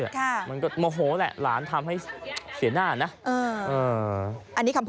มันก็โมโหแหละหลานทำให้เสียหน้านะ